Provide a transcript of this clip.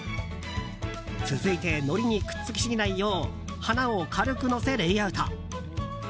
続いて、のりにくっつき過ぎないよう花を軽く載せ、レイアウト。